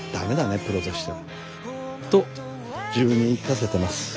プロとしては。と自分に言い聞かせてます。